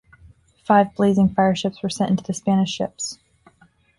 Five blazing fireships were sent into the Spanish ships.